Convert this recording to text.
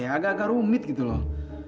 ini apa ya agak agak rumit gitu loh